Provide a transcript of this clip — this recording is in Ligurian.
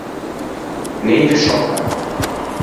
Neive sciòcca.